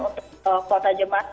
untuk kota jemaat